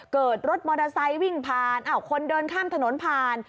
เกิดรถมอเตอร์ไซค์วิ่งผ่านคนเดินข้ามถนนผ่าน